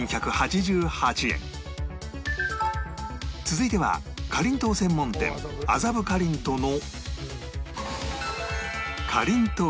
続いてはかりんとう専門店麻布かりんとの